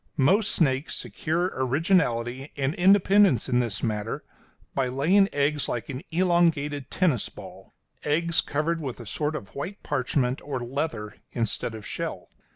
Most snakes secure originality and independence in this matter by laying eggs like an elongated tennis ball eggs covered with a sort of white parchment or leather instead of shell.